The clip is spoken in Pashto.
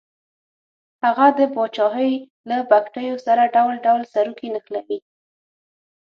هغه د پاچاهۍ له بګتیو سره ډول ډول سروکي نښلوي.